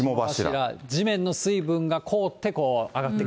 地面の水分が凍って、上がっ